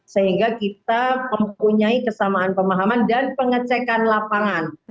sehingga kita mempunyai kesamaan pemahaman dan pengecekan lapangan